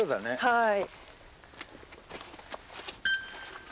はい。